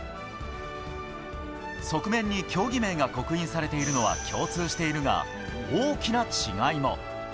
側面に競技名が刻印されているのは共通しているが、大きな違いも。